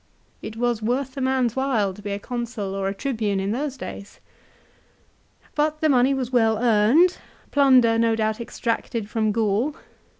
It was worth a man's while to be a Consul or a Tribune in those days. But the money was well earned, plunder no doubt extracted from Gaul.